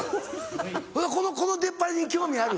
この出っ張りに興味ある？